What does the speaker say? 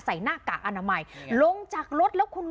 ใส่หน้ากากอนามัยลงจากรถแล้วคุยกันกัน